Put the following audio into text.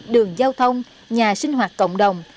đường giao thông nhà sinh hoạt cộng đồng